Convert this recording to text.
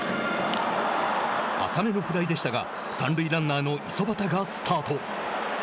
浅めのフライでしたが三塁ランナーの五十幡がスタート。